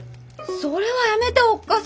それはやめておっ母さん！